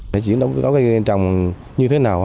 để chuyển đổi cơ cấu cây trồng như thế nào